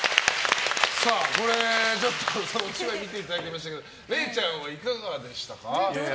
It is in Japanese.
お芝居見ていただきましたけどれいちゃんはいかがでしたか？